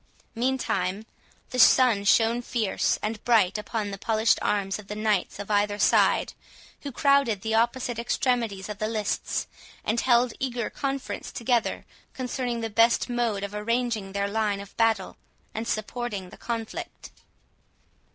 Meantime, the sun shone fierce and bright upon the polished arms of the knights of either side, who crowded the opposite extremities of the lists, and held eager conference together concerning the best mode of arranging their line of battle, and supporting the conflict.